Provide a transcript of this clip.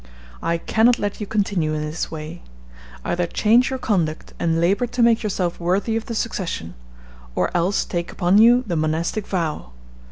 "I can not let you continue in this way. Either change your conduct, and labor to make yourself worthy of the succession, or else take upon you the monastic vow.